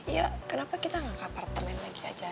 ya kenapa kita nggak ke apartemen lagi aja